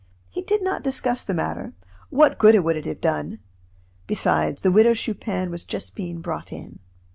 He did not discuss the matter what good would it have done? Besides, the Widow Chupin was just being brought in.